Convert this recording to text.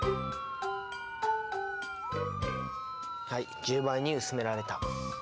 はい１０倍に薄められた。